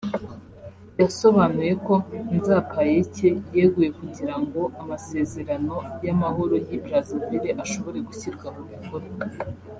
yasobanuye ko Nzapayeke yeguye kugirango amasezerano y’amahoro y’i Brazzaville ashobore gushyirwa mu bikorwa